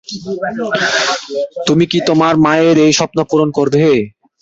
তুমি কি তোমার মায়ের এই স্বপ্ন পূরণ করবে?